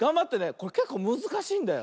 これけっこうむずかしいんだよ。